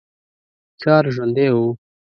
ښار ژوندی و.